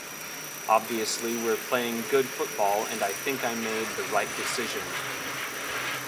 Obviously we're playing good football and I think I made the right decision.